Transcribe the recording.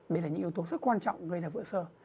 đây là những yếu tố rất quan trọng gây ra vỡ sơ